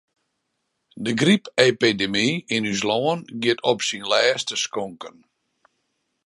De grypepidemy yn ús lân giet op syn lêste skonken.